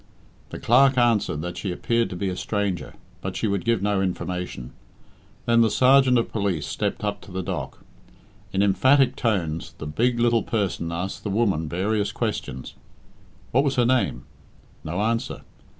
The clerk answered that she appeared to be a stranger, but she would give no information. Then the sergeant of police stepped up to the dock. In emphatic tones the big little person asked the woman various questions. What was her name? No answer.